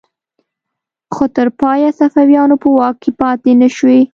خو تر پایه صفویانو په واک کې پاتې نشوې.